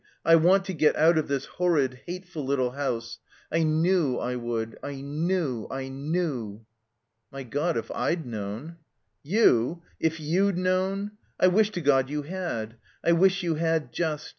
I want to get out of this horrid, hateful little house. I knew I would. I knew — I knew " "My God if I'd known " '^Youf If you^d known! I wish to God you had. I wish you had just!